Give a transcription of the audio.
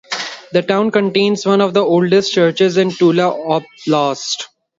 The town contains one of the oldest churches in Tula Oblast.